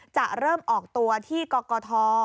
จะเริ่มออกตัวที่กกท